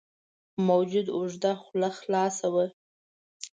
موجود اوږده خوله خلاصه وه.